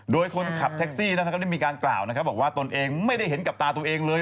โดยความทหักและมีการกล่าวว่าตนเองไม่ได้เห็นกับตาตัวเองเลย